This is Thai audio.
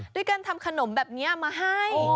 ด้วยการทำขนมแบบนี้มาให้